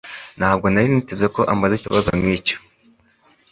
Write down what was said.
Ntabwo nari niteze ko ambaza ikibazo nkicyo.